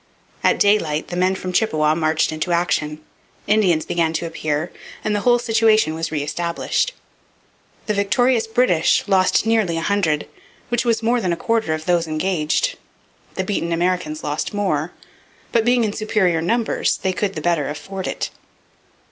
At daylight the men from Chippawa marched into action, Indians began to appear, and the whole situation was re established. The victorious British lost nearly a hundred, which was more than a quarter of those engaged. The beaten Americans lost more; but, being in superior numbers, they could the better afford it.